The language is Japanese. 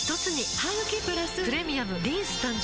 ハグキプラス「プレミアムリンス」誕生